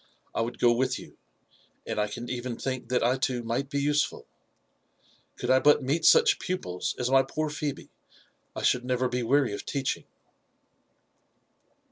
I would go with you, and I can even think that I too might be usefuL Could I but meet such pupils as my poor Phebe, I should never be weary of teaching."